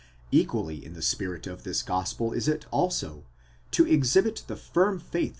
*? Equally in the spirit of this gospel is it also, to exhibit the firm 28 Bibl.